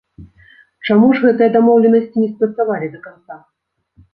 Чаму ж гэтыя дамоўленасці не спрацавалі да канца?